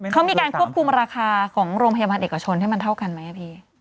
เขามีการควบคุมราคาของโรงพยาบาลเอกชนให้มันเท่ากันไหมพี่